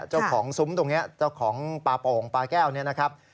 ซุ้มตรงนี้เจ้าของปลาโป่งปลาแก้วเนี่ยนะครับ